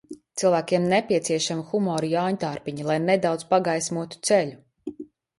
Cilvēkiem nepieciešami humora jāņtārpiņi, lai nedaudz pagaismotu ceļu.